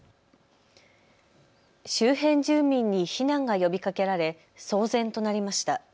周辺住民に避難が呼びかけられ騒然となりました。